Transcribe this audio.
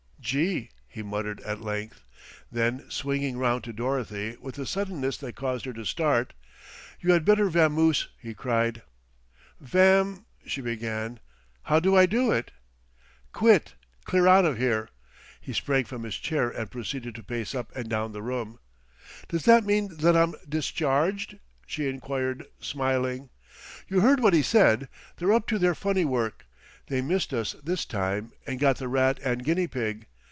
"Gee!" he muttered at length, then swinging round to Dorothy with a suddenness that caused her to start, "You had better vamoose," he cried. "Vam " she began. "How do I do it?" "Quit, clear out of here." He sprang from his chair and proceeded to pace up and down the room. "Does that mean that I'm discharged?" she enquired, smiling. "You heard what he said. They're up to their funny work. They missed us this time and got the rat and guinea pig.